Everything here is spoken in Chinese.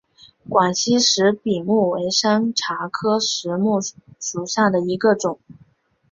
广西石笔木为山茶科石笔木属下的一个种。